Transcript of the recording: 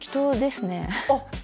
あっ！